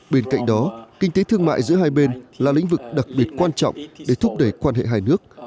bên cạnh đó kinh tế thương mại giữa hai bên là lĩnh vực đặc biệt quan trọng để thúc đẩy quan hệ hai nước